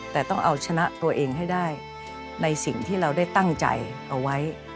แต่ต้องเอาชนะตัวเองให้ได้ในสิ่งที่เราได้ตั้งใจเอาไว้